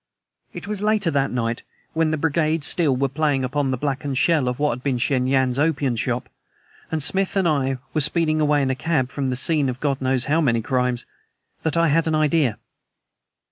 It was later that night, when the brigade still were playing upon the blackened shell of what had been Shen Yan's opium shop, and Smith and I were speeding away in a cab from the scene of God knows how many crimes, that I had an idea.